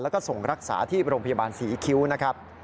แล้วก็ส่งรักษาที่โรงพยาบาลศรีคิ้วนะครับ